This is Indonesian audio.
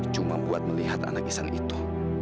cuma buat melihat anak isang itu